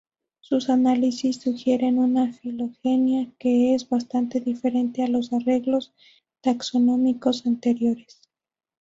Sus análisis sugieren una filogenia que es bastante diferente a los arreglos taxonómicos anteriores.